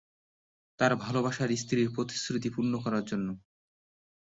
তার ভালবাসার স্ত্রীর প্রতিশ্রুতি পূর্ণ করার জন্য।